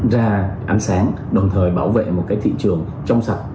ra ánh sáng đồng thời bảo vệ một cái thị trường trong sạch